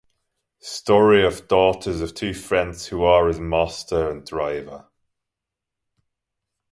Story of daughters of two friends who are as master and driver.